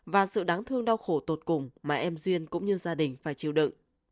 và sự đáng thương đau khổ tột cùng mà em duyên cũng như gia đình phải chịu đựng